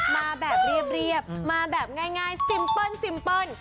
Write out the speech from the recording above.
มาแบบเรียบมาแบบง่ายซิมเปิ้ล